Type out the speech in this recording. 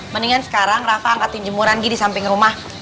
mendingan sekarang rafa angkatin jemuran gi di samping rumah